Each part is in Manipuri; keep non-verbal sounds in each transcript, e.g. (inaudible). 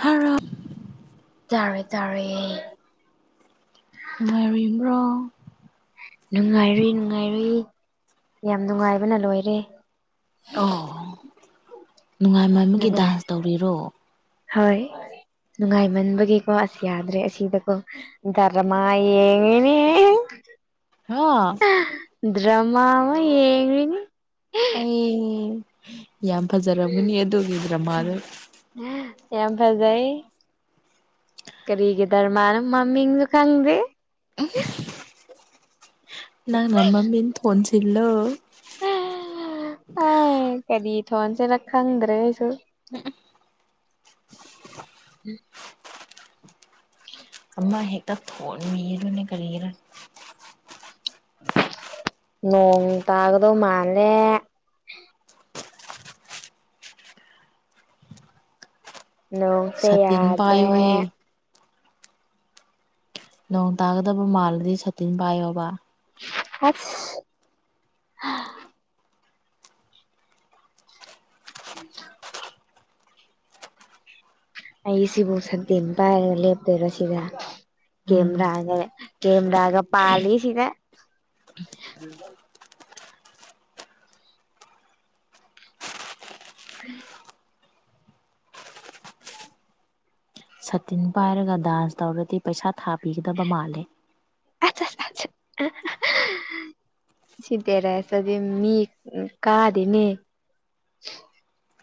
ꯐꯔꯛ ꯇꯥꯔꯦ ꯇꯥꯔꯦ ꯅꯨꯡꯉꯥꯏꯔꯔꯤꯕ꯭ꯔꯣ ꯅꯨꯡꯉꯥꯏꯔꯨꯏ ꯅꯨꯡꯉꯥꯏꯔꯨꯏ ꯌꯥꯝ ꯅꯨꯡꯉꯥꯏꯕꯅ ꯂꯣꯏꯔꯦ ꯑꯣ ꯅꯨꯡꯉꯥꯏꯃꯟꯕꯒꯤ ꯅꯨꯡꯉꯥꯏ ꯗꯥꯟꯁ ꯇꯧꯔꯤꯔꯣ ꯍꯣꯏ ꯅꯨꯡꯉꯥꯏꯃꯟꯕꯒꯤꯀꯣ ꯑꯁ ꯌꯥꯗ꯭ꯔꯦ ꯑꯁꯤꯗꯀꯣ ꯗꯔꯃꯥ ꯌꯦꯡꯉꯤꯅꯦ ꯍꯥꯥ ꯗ꯭ꯔꯃꯃ ꯌꯦꯡꯉꯤꯅꯤ ꯑꯩ ꯌꯥꯝ ꯐꯖꯔꯝꯒꯅꯤ ꯑꯗꯨꯒꯤ ꯗ꯭ꯔꯃꯥꯗꯣ ꯌꯥꯝ ꯐꯖꯩ ꯀꯔꯤꯒꯤ ꯙꯔꯃꯅꯣ ꯃꯃꯤꯡꯁꯨ ꯈꯪꯗꯦ ꯑ ꯅꯪꯅ ꯃꯃꯤꯡ ꯊꯣꯟꯁꯤꯜꯂꯣ ꯍ ꯀꯔꯤ ꯊꯣꯟꯁꯤꯅ ꯈꯪꯗ꯭ꯔꯦ ꯑꯩꯁꯨ ꯎꯝ (inaudible) ꯃ ꯍꯦꯛꯇ ꯊꯣꯟꯕꯤꯔꯅꯤ ꯀꯔꯤꯒꯤꯔꯥ ꯅꯣꯡ ꯇꯗꯧ ꯃꯥꯜꯂꯦ ꯅꯣꯡꯁꯦ ꯁꯥꯇꯤꯟ ꯌꯥꯗ꯭ꯔꯦ ꯄꯥꯏꯌꯨꯍꯦ ꯅꯣꯡ ꯇꯥꯒꯗꯕ ꯃꯥꯜꯂꯗꯤ ꯁꯇꯤꯟ ꯄꯥꯏꯌꯣꯕ ꯑꯁ ꯏ ꯑꯩ ꯁꯤꯕꯨ ꯁꯠꯇꯤꯟ ꯄꯥꯏꯔꯒ ꯂꯦꯞꯇꯣꯏꯔꯣ ꯁꯤꯗ ꯎꯝ ꯀꯦꯃꯦ꯭ꯔꯅꯦ ꯀꯦꯃ꯭ꯔꯒ ꯄꯂꯤꯁꯤꯗ (inaudible) ꯎ ꯇꯤꯟ ꯄꯥꯏꯔꯒ ꯗꯥꯟꯁ ꯇꯧꯔꯗꯤ ꯄꯩꯁꯥ ꯊꯥꯕꯤꯒꯗꯕ ꯃꯥꯜꯂꯦ ꯑꯠꯆꯥ ꯁꯤꯗꯔꯁꯗꯤ ꯃꯤ ꯀꯥꯗꯅꯦ (unintelligible)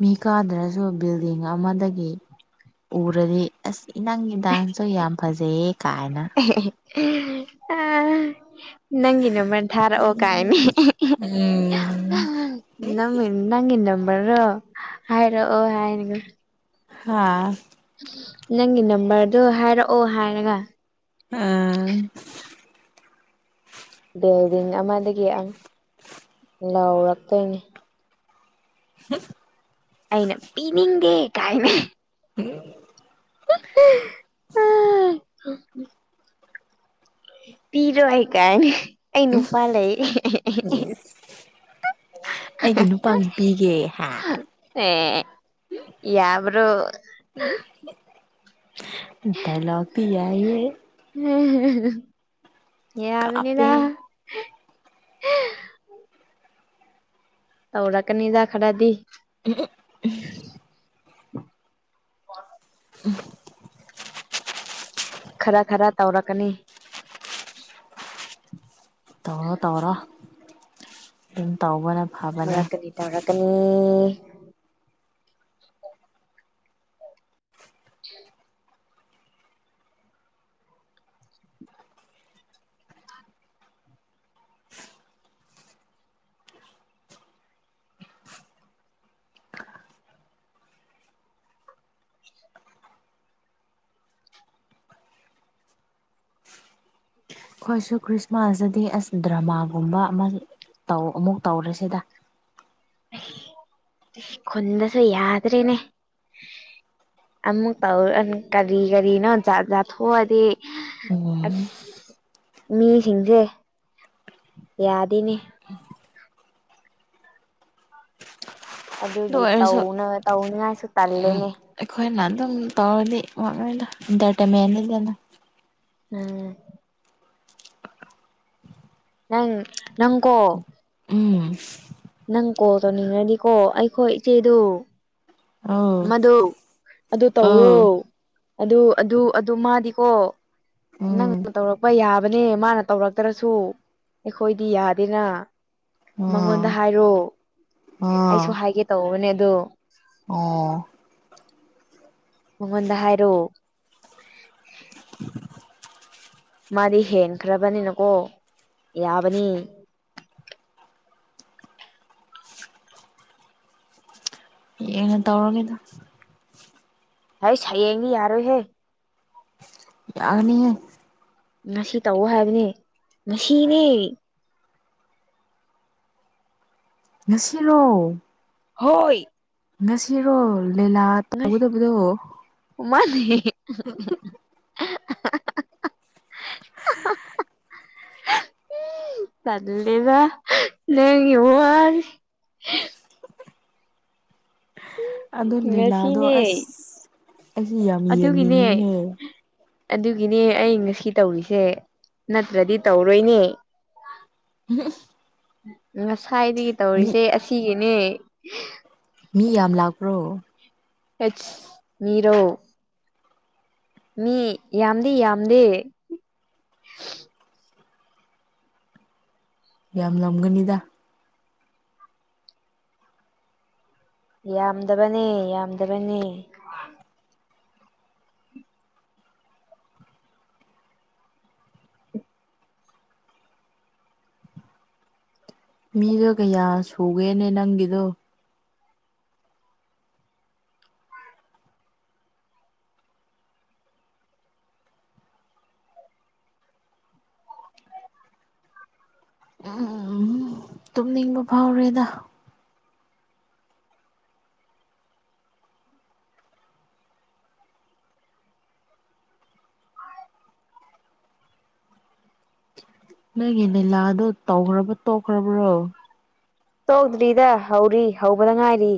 ꯃꯤ ꯀꯥꯗ꯭ꯔꯁꯨ ꯕꯤꯜꯗꯤꯡ ꯑꯃꯗꯒꯤ ꯎꯔꯗꯤ ꯑꯁ ꯅꯪꯒꯤ ꯗꯥꯟꯁꯇꯨ ꯌꯥꯝ ꯐꯖꯩꯌꯦ ꯀꯥꯏꯅ ꯑ ꯅꯪꯒꯤ ꯅꯝꯃꯔ ꯊꯔꯛ ꯑꯣ ꯀꯥꯏꯅꯤ ꯎꯝ ꯅꯪ ꯅꯪꯒꯤ ꯅꯝꯕꯔꯔꯣ ꯍꯥꯏꯔꯛꯑꯣ ꯍꯥꯏꯔꯒ ꯍꯥꯥ ꯅꯪꯒꯤ ꯅꯝꯕꯔꯗꯣ ꯍꯥꯏꯔꯛꯑꯣ ꯍꯥꯏꯔꯒ ꯑꯥ ꯕꯤꯜꯗꯤꯡ ꯑꯃꯗꯒꯤ ꯑꯩ ꯂꯥꯎꯔꯛꯇꯣꯏꯅꯤ (unintelligible) ꯑꯩꯅ ꯄꯤꯅꯤꯗꯦ ꯀꯥꯏꯅ ꯎꯝ (unintelligible) ꯄꯤꯔꯣꯏ ꯀꯥꯏꯅ ꯑꯩ ꯅꯨꯄꯥ ꯂꯩ ꯑꯩꯒꯤ ꯅꯨꯄꯥꯒꯤ ꯄꯤꯒꯦ ꯑꯦ ꯌꯥꯕ꯭ꯔꯣ ꯗꯏꯂꯣꯛꯇꯤ ꯌꯥꯏꯌꯦ ꯀꯥꯞꯄꯦ ꯌꯥꯕꯅꯤꯗ (unintelligible) ꯇꯧꯔꯛꯀꯅꯤꯗ ꯈꯔꯗꯤ (unintelligible) (unintelligible) (unintelligible) ꯈꯔ ꯈꯔ ꯇꯧꯔꯛꯀꯅꯤ ꯇꯧꯔꯣ ꯇꯧꯔꯣ (unintelligible) ꯇꯧꯕꯅ ꯐꯕꯅꯦ ꯇꯧꯔꯛꯀꯅꯤ ꯇꯧꯔꯛꯀꯅꯤ (unintelligible) ꯑꯈꯣꯏꯁꯨ ꯈ꯭ꯔꯤꯁꯃꯥꯁꯇꯗꯤ ꯑꯁ ꯗ꯭ꯔꯃꯥꯒꯨꯝꯕ ꯑꯃ ꯇꯧ ꯑꯃꯨꯛ ꯇꯧꯔꯁꯤꯗ ꯈꯨꯟꯗꯁꯨ ꯌꯥꯗ꯭ꯔꯦꯅꯦ (unintelligible) ꯑꯃꯨꯛ ꯇꯧ ꯀꯔꯤ ꯀꯔꯤꯅꯣ ꯖꯥꯠ ꯖꯥꯠ ꯊꯣꯛꯑꯗꯤ ꯎꯝ ꯑꯁ ꯃꯤꯁꯤꯡꯁꯦ ꯌꯥꯗꯦꯅꯦ ꯑꯗꯨ ꯑꯗꯨꯒꯤ ꯑꯣꯏꯔꯁꯨ ꯇꯧꯅ ꯇꯧꯅꯤꯡꯉꯥꯏꯁꯨ ꯎꯝ ꯇꯜꯂꯦꯅꯦ ꯑꯩꯈꯣꯏꯅ ꯑꯗꯨꯝ ꯇꯧꯔꯗꯤ (unintelligible) ꯏꯟꯇꯔꯇꯦꯟꯃꯦꯟꯅꯤꯗꯅ ꯎꯝ ꯅꯪ ꯅꯪꯀꯣ ꯎꯝ ꯅꯪ ꯀꯣꯜ ꯇꯧꯅꯤꯡꯔꯗꯤꯀꯣ ꯑꯩꯈꯣꯏ ꯏꯆꯦꯗꯣ ꯑꯧ ꯃꯗꯨ ꯑꯗꯨ ꯑꯧ ꯇꯧꯔꯣ ꯑꯗꯨ ꯑꯗꯨ ꯑꯗꯨ ꯃꯥꯗꯤꯀꯣ ꯅꯪ ꯎꯝ ꯇꯧꯔꯛꯄ ꯌꯥꯕꯅꯦ ꯃꯥꯅ ꯇꯧꯔꯛꯇ꯭ꯔꯁꯨ ꯑꯩꯈꯣꯏꯗꯤ ꯌꯥꯗꯦꯅ ꯑꯥ ꯃꯉꯣꯟꯗ ꯍꯥꯏꯔꯣ ꯑꯥ ꯑꯩꯁꯨ ꯍꯥꯏꯒꯦ ꯇꯧꯕꯅꯦ ꯑꯗꯣ ꯑꯣ ꯃꯉꯣꯟꯗ ꯍꯥꯏꯔꯣ ꯃꯥꯗꯤ ꯍꯦꯟꯈ꯭ꯔꯕꯅꯤꯅꯀꯣ ꯌꯥꯕꯅꯤ ꯀꯩꯅꯣ ꯇꯧꯔꯒꯦꯗ ꯍꯩꯁ ꯍꯌꯦꯡꯗꯤ ꯌꯥꯔꯣꯏꯍꯦ ꯌꯥꯅꯤꯍꯦ ꯉꯁꯤ ꯇꯧꯑꯣ ꯍꯥꯏꯕꯅꯦ ꯉꯁꯤꯅꯦ ꯉꯁꯤꯔꯣ ꯍꯣꯏ ꯉꯁꯤꯔꯣ ꯂꯤꯂꯥ ꯉꯁꯤ ꯇꯧꯒꯗꯕꯗꯣ (unintelligible) (inaudible) ꯇꯜꯂꯦꯗ ꯅꯥꯪꯒꯤ ꯋꯥꯁꯦ ꯍ ꯑꯗꯣ ꯂꯤꯂꯥꯗꯣ ꯉꯁꯤꯅꯦ ꯑꯦꯁꯨ ꯌꯥꯝ ꯑꯗꯨꯒꯤꯅꯦ ꯌꯦꯡꯅꯤꯡꯉꯦꯍꯦ ꯑꯗꯨꯒꯤꯅꯦ ꯑꯩ ꯉꯁꯤ ꯇꯧꯔꯤꯁꯦ ꯅꯠꯇ꯭ꯔꯗꯤ ꯇꯧꯔꯣꯏꯅꯦ ꯎꯝ ꯉꯁꯥꯏꯗꯒꯤ ꯇꯧꯔꯤꯁꯦ ꯑꯁꯤꯒꯤꯅꯦ ꯃꯤ ꯌꯥꯝ ꯂꯥꯛꯄ꯭ꯔꯣ ꯍꯠ ꯃꯤꯔꯣ ꯃꯤ ꯌꯥꯝꯗꯤ ꯌꯥꯝꯗꯦ ꯌꯥꯝ ꯂꯝꯝꯒꯅꯤꯗ ꯌꯥꯝꯗꯕꯅꯤ ꯌꯥꯝꯗꯕꯅꯤ ꯃꯤꯗꯣ ꯀꯌꯥ ꯁꯨꯒꯦꯅꯦ ꯅꯪꯒꯤꯗꯣ ꯎꯝ ꯇꯨꯝꯅꯤꯡꯕ ꯐꯥꯎꯔꯦꯗ ꯅꯪꯒꯤ ꯂꯤꯅꯤꯂꯥꯗꯣ ꯇꯧꯈ꯭ꯔꯕ ꯇꯣꯛꯈ꯭ꯔꯕ꯭ꯔꯣ ꯇꯣꯛꯗ꯭ꯔꯤꯗ ꯍꯧꯔꯤ ꯍꯧꯕꯗ ꯉꯥꯏꯔꯤ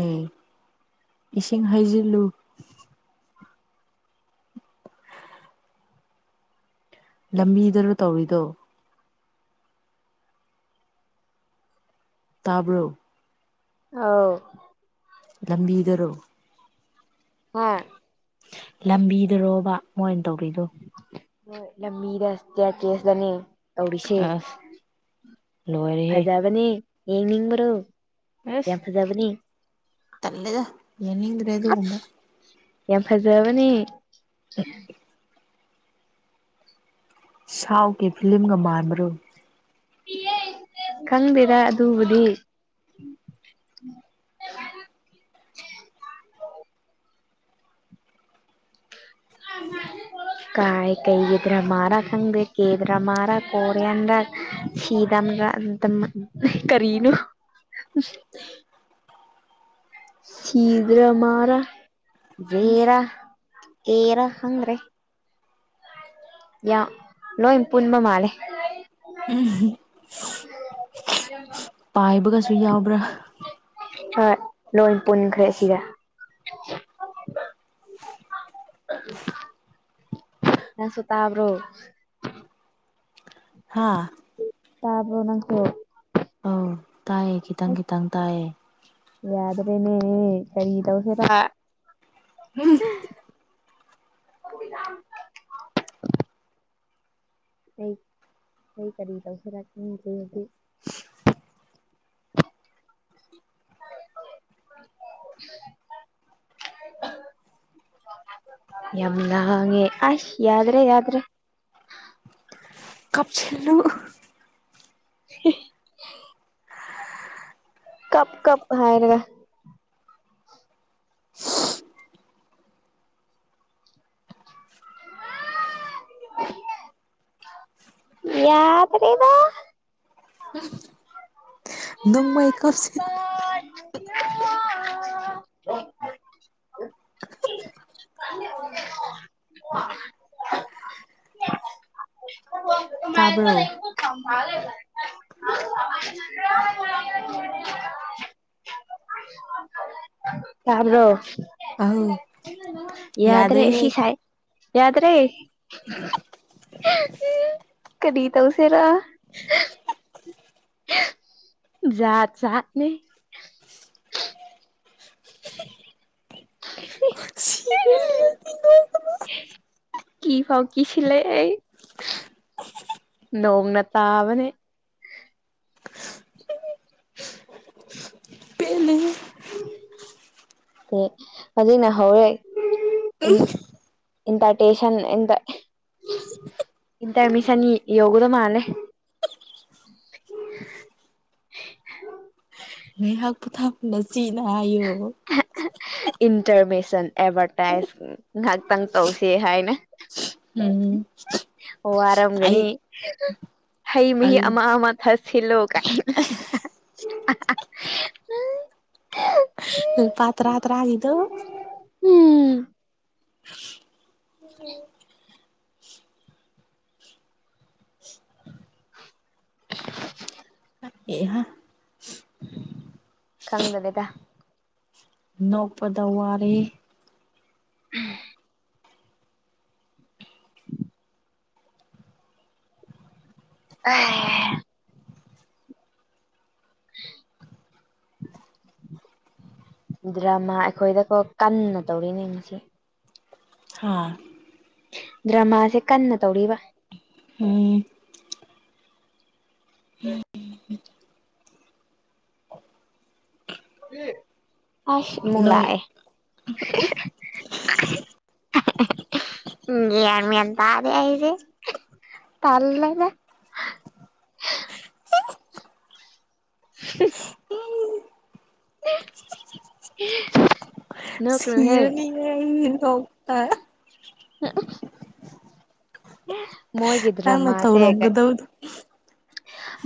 ꯑꯦ ꯏꯁꯤꯡ ꯍꯩꯖꯤꯜꯂꯨ ꯂꯝꯕꯤꯗꯁꯨ ꯇꯧꯔꯤꯗꯣ ꯇꯥꯕ꯭ꯔꯣ ꯑꯥꯎ ꯂꯝꯕꯤꯗꯔꯣ ꯍꯣꯏ ꯂꯝꯕꯤꯗꯔꯣꯕ ꯃꯣꯏꯅ ꯇꯧꯕꯔꯤꯗꯨꯣ ꯂꯝꯃꯤꯗ ꯑꯁꯌꯥ ꯀꯦꯁꯗꯅꯤ ꯇꯧꯔꯤꯁꯦ ꯑꯁ ꯂꯣꯏꯔꯦꯍꯦ ꯐꯖꯕꯅꯦ ꯌꯦꯡꯅꯤꯡꯕ꯭ꯔꯣ ꯌꯥꯝ ꯑꯦꯁ ꯐꯖꯕꯅꯤ ꯇꯜꯦꯗ ꯌꯦꯗ꯭ꯔ ꯑꯗꯨ ꯀꯕ ꯌꯥꯝ ꯐꯖꯕꯅꯦ ꯁꯎ ꯀ ꯐꯤꯂꯝꯒ ꯃꯥꯥꯟꯔꯣ ꯈꯪꯗꯦꯔ ꯑꯗꯨꯕꯨꯗꯤ (inaudible) ꯀꯥꯏ ꯀꯩꯒꯤꯗ꯭ꯔꯥ ꯃꯥꯔꯥ ꯈꯪꯗꯦ ꯀꯦꯗ꯭ꯔꯥ ꯃꯥꯔꯥ ꯀꯣꯔꯤꯌꯥꯟ ꯔ ꯁꯤꯤꯗꯥꯝ ꯔꯝ ꯀꯔꯤꯅꯨ ꯁꯤꯤꯗ꯭ꯔ ꯃꯥꯔ ꯔꯦꯔ ꯑꯦꯔ ꯍꯪ꯭ꯔꯦ ꯌꯥ ꯂꯣꯏ ꯄꯨꯟꯕ ꯃꯥꯜꯂꯦ ꯀꯔꯝꯕ ꯄꯥꯏꯕꯒꯁꯨ ꯌꯥꯎꯕ꯭ꯔꯥ ꯍꯣꯏ ꯂꯣꯏ ꯄꯨꯟꯈ꯭ꯔꯦ ꯑꯁꯤꯗ ꯑꯁ ꯇꯕ꯭ꯔꯣ ꯍꯥꯥ ꯇꯄ ꯑꯣꯅ ꯍ ꯇꯥꯏꯑꯦ ꯈꯤꯇꯪ ꯈꯤꯇꯪ ꯇꯥꯏꯌꯦꯦ ꯅꯦꯅꯦ ꯈꯔꯤꯗꯦꯔ (inaudible) ꯎꯝ (inaudible) ꯑꯩ ꯑꯩ ꯀꯔꯤ ꯇꯧꯁꯤꯔꯛꯅꯤ (inaudible) (inaudible) ꯌꯗꯉꯦ ꯑꯁ ꯌꯥꯗ꯭ꯔꯦ ꯌꯥꯗ꯭ꯔꯦ ꯀꯥꯞꯁꯤꯜꯂꯨ (inaudible) ꯀꯞ ꯀꯞ ꯍꯥꯏꯔꯔꯒ (inaudible) ꯌꯥꯗ꯭ꯔꯦꯅ ꯅꯪ ꯃꯥꯏ ꯀꯞꯁꯤ (inaudible) (inaudible) ꯇꯥꯕ꯭ꯔꯣ ꯃꯥꯔꯦ ꯇ ꯑꯃ꯭ꯔꯣ ꯑꯧ ꯌꯥꯗ꯭ꯔꯦ ꯌꯥꯗꯦꯍꯦ ꯁꯤꯤꯁꯥꯏ ꯌꯥꯗ꯭ꯔꯦ ꯀꯔꯤ ꯇ ꯎꯁꯦꯔꯥ ꯠ ꯁꯥꯠꯅꯦ ꯁꯤꯔꯅꯤ ꯑꯩ ꯀ ꯐꯥꯎꯀꯤ ꯁꯤꯦ ꯑꯩ ꯂꯣꯡꯅ ꯇꯥꯕꯅꯦ (inaudible) ꯑꯦ ꯑꯗꯨꯅ ꯍꯧꯋꯦ ꯏꯟ ꯏꯟꯇ ꯇꯦꯁꯟ ꯏ ꯏꯇꯔꯃꯤꯁꯅꯤ ꯌꯒꯗ ꯃꯥꯂꯦ (inaudible) ꯉꯥꯏꯍꯥꯛ ꯄꯣꯊꯥꯄꯅ ꯁꯤꯤꯅ ꯍꯥꯏꯌꯣꯕ ꯏꯟꯇꯔꯃꯦꯁꯟ ꯑꯦꯗꯚꯔꯇꯥꯏꯁ ꯉꯍꯥꯛꯇꯪ ꯇꯧꯁ ꯍꯥꯏꯅ ꯎꯝ ꯑꯣ ꯑꯩ ꯋꯥꯔꯝꯒꯅꯤ ꯍꯩ ꯃꯍꯤ ꯑꯩ ꯑꯃ ꯑꯃ ꯊꯁꯤ ꯁꯤꯂ ꯀꯥꯏ ꯑꯜ ꯄꯇ ꯑꯇ ꯍꯥꯏꯒꯗꯨ ꯎꯝ (unintelligible) (unintelligible) ꯑꯦꯍ ꯈꯪꯗꯕꯦꯗ ꯅꯣꯛꯄꯗ ꯋꯥꯔꯤꯔꯦ ꯎꯝ ꯑ (inaudible) ꯗ꯭ꯔꯃꯥ ꯑꯩꯈꯣꯏꯗꯀꯣ ꯀꯟꯅ ꯇꯧꯔꯤꯅꯦ ꯉꯁꯤ ꯍꯥꯥ ꯗ꯭ꯔꯃꯥꯁꯦ ꯀꯟꯅ ꯇꯧꯔꯤꯕ ꯎꯝ ꯍ ꯎ ꯑꯁ ꯃ ꯅꯣꯏ ꯂꯑ (inaudible) ꯑꯔꯃꯤꯟ ꯇꯥꯔꯦ ꯍꯥꯏꯏꯁꯦ ꯇꯜꯒ (inaudible) (inaudible) (inaudible) ꯍꯤꯔ ꯍꯔꯔꯇ ꯑ ꯅꯪꯅ ꯃꯒꯗ꯭ꯔꯃꯁꯦꯒ ꯇꯧꯔꯝꯒꯗꯕꯗꯣ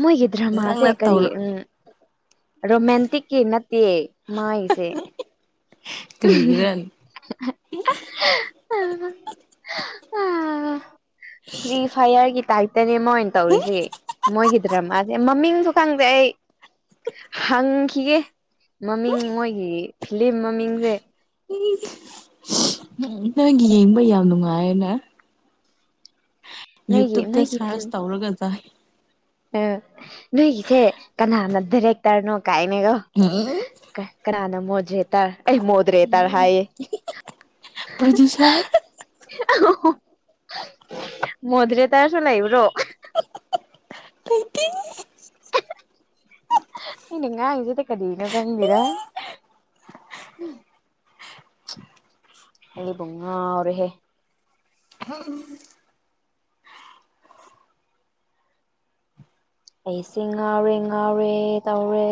ꯃꯣꯏꯒꯤ ꯗꯔꯃꯥꯁꯦ ꯅꯪꯅ ꯀꯔꯤ ꯇꯧꯔ ꯎꯝ ꯔꯣꯃꯦꯟꯇꯤꯛꯀꯤ ꯅꯠꯇꯦ ꯃꯥꯏꯁꯦ ꯀꯒꯗꯅꯤ ꯐ꯭ꯔꯤ ꯐꯌꯔꯒꯤ ꯇꯥꯏꯞꯇꯅꯦ ꯃ ꯑꯣꯏꯅ ꯇꯧꯔꯤꯁꯤ ꯃꯣꯏꯒꯤ ꯗ꯭ꯔꯃꯥꯁꯦ ꯃꯃꯤꯡꯁꯨ ꯈꯪꯗꯦ ꯍ (unintelligible) (inaudible) ꯍꯪꯈꯤꯒꯦ ꯃꯃꯤꯡ ꯃꯣꯏꯒꯤ ꯐꯤꯂꯤꯝ ꯃꯃꯤꯡꯁꯦ ꯅꯪꯒꯤ ꯌꯦꯡꯕ ꯌꯥꯝ ꯅꯨꯡꯉꯥꯏꯌꯦꯅꯦ ꯅꯣꯏꯒꯤ ꯌꯨꯇꯨꯨꯞꯇ ꯁꯔꯁ ꯇꯧꯔꯒ ꯠ ꯑ ꯅꯣꯏꯒꯤꯁꯦ ꯀꯅꯥꯅꯊꯔꯦꯛꯇꯔꯅꯣ ꯀꯥꯏꯅꯦꯒꯣ ꯎꯝ ꯀꯅꯥꯅ ꯃꯣꯗ꯭ꯔꯦꯇꯥꯔ ꯑꯩ ꯃꯣꯗ꯭ꯔꯦꯇꯥꯔ ꯍꯥꯏꯌꯦ ꯑꯍ ꯄ꯭ꯔꯣꯗ꯭ꯌꯨꯁꯔ ꯑ ꯍꯤ ꯑꯣ ꯃꯣꯗ꯭ꯔꯦꯇꯔꯁꯨ ꯂꯩꯕ꯭ꯔꯣ ꯏꯟꯅ ꯉꯉꯖꯗ ꯀꯗꯤꯅ ꯀꯗꯤꯔꯥ (inaudible) ꯑꯕꯨꯡꯉꯔ ꯍꯦ ꯑꯩꯁꯤ ꯉꯥꯎꯔꯦ ꯉꯥꯎꯔꯦ ꯇꯧꯔꯦ